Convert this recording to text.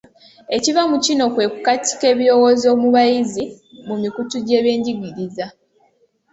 Ekiva mu kino kwe kukaatika ebirowoozo mu bayizi mu mikutu gy'ebyenjigiriza,